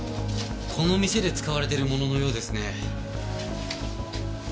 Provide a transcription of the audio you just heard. この店で使われているもののようですね。